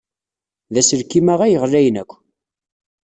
D aselkim-a ay ɣlayen akk.